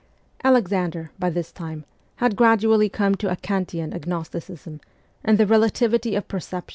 Alexander, by this time, had gradually come to a Kantian agnosticism, and the ' relativity of perceptions,' VOL.